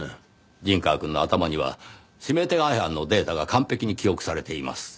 陣川くんの頭には指名手配犯のデータが完璧に記憶されています。